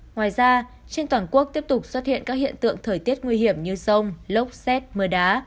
ngoài ra trên toàn quốc tiếp tục xuất hiện các hiện tượng thời tiết nguy hiểm như rông lốc xét mưa đá